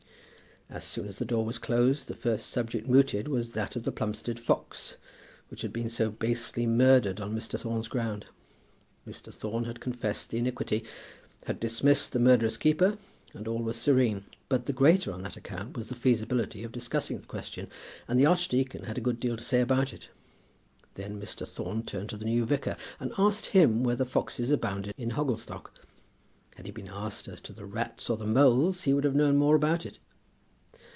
As soon as the door was closed, the first subject mooted was that of the Plumstead fox, which had been so basely murdered on Mr. Thorne's ground. Mr. Thorne had confessed the iniquity, had dismissed the murderous keeper, and all was serene. But the greater on that account was the feasibility of discussing the question, and the archdeacon had a good deal to say about it. Then Mr. Thorne turned to the new vicar, and asked him whether foxes abounded in Hogglestock. Had he been asked as to the rats or the moles, he would have known more about it.